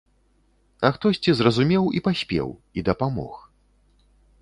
А хтосьці зразумеў і паспеў, і дапамог.